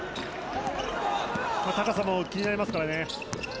高さも気になりますからね。